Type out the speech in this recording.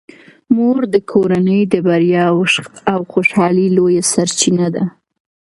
مور د کورنۍ د بریا او خوشحالۍ لویه سرچینه ده.